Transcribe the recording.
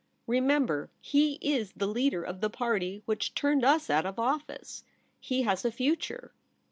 Remember, he Is the leader of the party which turned us out of office. He has a future.'